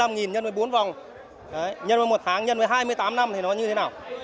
ba mươi năm nhân với bốn vòng nhân với một tháng nhân với hai mươi tám năm thì nó như thế nào